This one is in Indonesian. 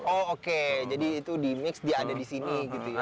oh oke jadi itu di mix dia ada di sini gitu ya